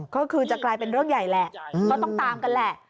ก็คือจะกลายเป็นเรื่องใหญ่แหละก็ต้องตามกันแหละ